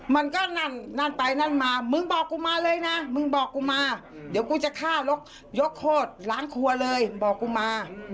มันก็นั่นนั่นไปนั่นมามึงบอกกูมาเลยนะมึงบอกกูมาเดี๋ยวกูจะฆ่ายกโคตรล้างครัวเลยบอกกูมา